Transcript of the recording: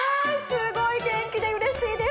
すごいげんきでうれしいです。